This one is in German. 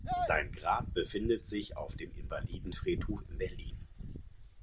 Sein Grab befindet sich auf dem Invalidenfriedhof in Berlin.